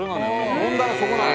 問題はそこなのよ。